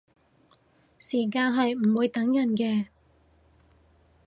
時間係唔會等人嘅